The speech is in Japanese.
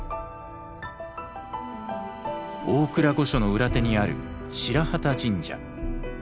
大倉御所の裏手にある白旗神社。